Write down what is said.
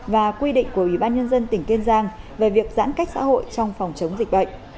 và quy định của ủy ban nhân dân tỉnh kiên giang về việc giãn cách xã hội trong phòng chống dịch bệnh